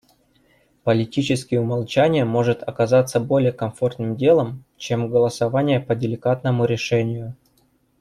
Политически умолчание может оказаться более комфортным делом, чем голосование по деликатному решению.